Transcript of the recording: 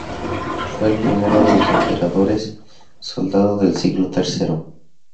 Fue el primero de los emperadores-soldado del siglo tercero.